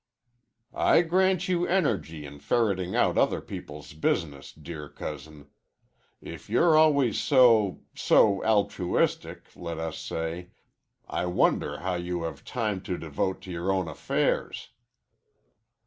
"I grant you energy in ferreting out other people's business, dear cousin. If you 're always so so altruistic, let us say I wonder how you have time to devote to your own affairs."